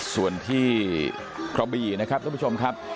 ส่วนที่ทราบิญญญ์นะครับทุกพี่ชม